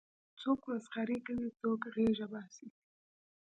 څوک مسخرې کوي څوک غېږه باسي.